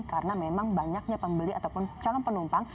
karena memang banyaknya pembeli ataupun calon penumpang